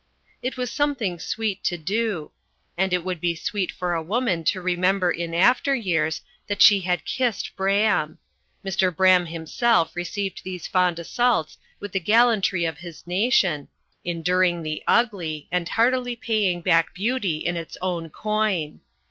It was something sweet to do; and it would be sweet for a woman to remember in after years, that she had kissed Braham! Mr. Braham himself received these fond assaults with the gallantry of his nation, enduring the ugly, and heartily paying back beauty in its own coin.